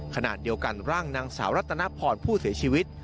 ขณะเดียวกันร่างนางสาวรัตนพรผู้เสียชีวิต